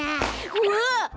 うわっ！